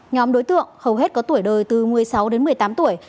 nhóm đối tượng hầu hết có tuổi đời từ một mươi sáu đến một mươi tám tuổi